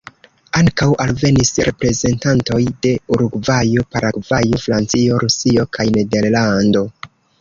Ankaŭ alvenis reprezentantoj de Urugvajo, Paragvajo, Francio, Rusio kaj Nederlando.